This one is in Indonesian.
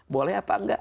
boleh apa enggak